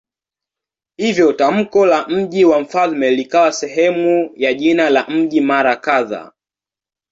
Hivyo tamko la "mji wa mfalme" likawa sehemu ya jina la mji mara kadhaa.